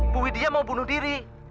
bu widia mau bunuh diri